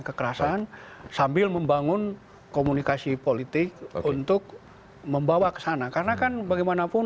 kekerasan sambil membangun komunikasi politik untuk membawa kesana karena kan bagaimanapun